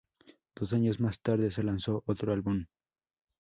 Dos años más tarde se lanzó otro álbum.